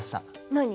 何？